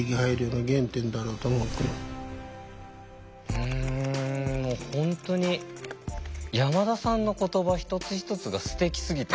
うん本当に山田さんの言葉一つ一つがすてきすぎた。